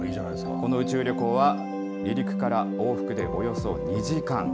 この宇宙旅行は離陸から往復でおよそ２時間。